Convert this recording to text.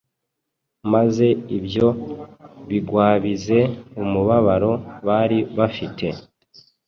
maze ibyo bigwabize umumaro bari bafite.